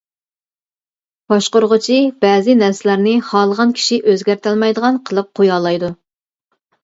باشقۇرغۇچى بەزى نەرسىلەرنى خالىغان كىشى ئۆزگەرتەلمەيدىغان قىلىپ قۇيالايدۇ.